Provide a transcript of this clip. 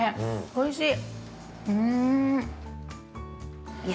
おいしい。